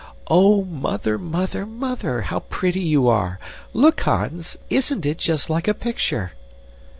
"Oh, Mother, Mother, Mother, how pretty you are! Look, Hans! Isn't it just like a picture?"